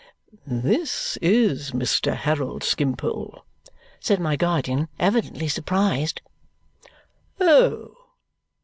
"This is Mr. Harold Skimpole," said my guardian, evidently surprised. "Oh!"